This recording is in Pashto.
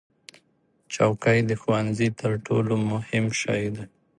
چوکۍ د ښوونځي تر ټولو مهم شی دی.